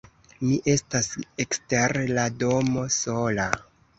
Mi estas ekster la domo, sola.